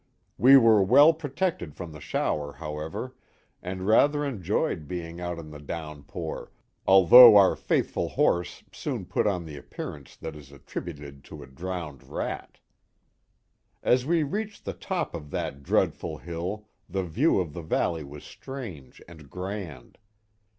VVe were well protected from the shower, however, and rather enjoyed being out in the down pour, although our faithful horse soon put on the appearance that is attributed to a drowned rat. As we reached the top of that dreadful hill the view of the valley was strange and grand.